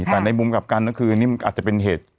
แต่ในมุมกลับกันก็คือนี่มันอาจจะเป็นเหตุ